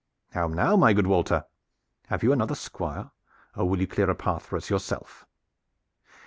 How now, my good Walter? Have you another Squire or will you clear a path for us yourself?"